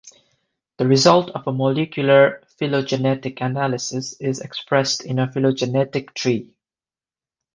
The result of a molecular phylogenetic analysis is expressed in a phylogenetic tree.